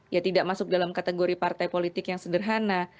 ya tidak masuk dalam kategori partai politik yang sederhana